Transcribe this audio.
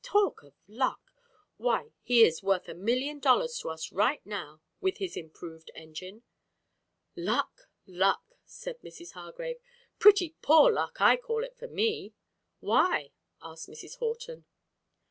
Talk of luck! Why, he is worth a million dollars to us right now, with his improved engine." "Luck; luck!" said Mrs. Hargrave. "Pretty poor luck, I call it for me!" "Why?" asked Mrs. Horton.